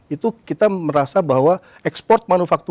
itu kita merasa bahwa ekspornya akan berpengaruh